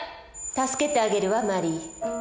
助けてあげるわマリー。